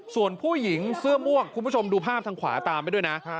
ส่วนผู้หญิงเสื้อม่วงคุณผู้ชมดูภาพทางขวาตามไปด้วยนะ